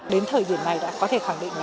đến thời điểm này đã có thể khẳng định